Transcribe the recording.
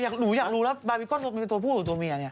หนูอยากรู้แล้วบาร์บีก้อนเป็นตัวผู้หรือตัวเมียเนี่ย